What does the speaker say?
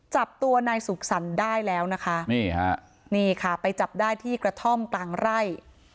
จับตัวนายสุขสรรค์ได้แล้วนะคะนี่ฮะนี่ค่ะไปจับได้ที่กระท่อมกลางไร่